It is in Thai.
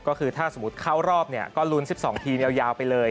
ก็คือถ้าสมมุติเข้ารอบเนี่ยก็ลุ้น๑๒ทีมยาวไปเลย